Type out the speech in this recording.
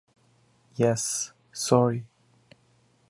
Yes, sorry!